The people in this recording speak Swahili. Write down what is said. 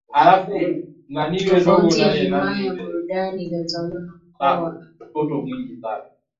Tofauti na himaya ya burundi iliyotawaliwa na ukoo wa abaganwa